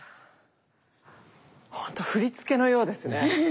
ほんと振り付けのようですね。